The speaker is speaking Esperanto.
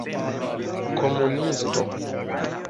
komunisto